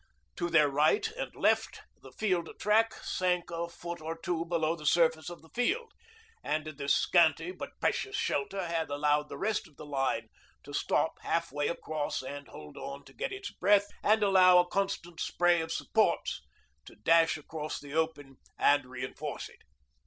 To their right and left the field track sank a foot or two below the surface of the field, and this scanty but precious shelter had allowed the rest of the line to stop half way across and hold on to get its breath and allow a constant spray of supports to dash across the open and reinforce it.